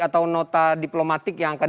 atau nota diplomatik yang akan